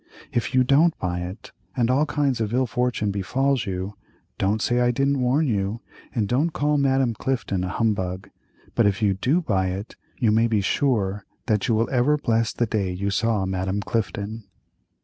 If you don't buy it, and all kinds of ill fortune befalls you, don't say I didn't warn you, and don't call Madame Clifton a humbug; but if you do buy it, you may be sure that you will ever bless the day you saw Madame Clifton."